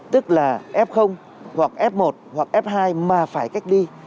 tức là f hoặc f một hoặc f hai mà phải cách ly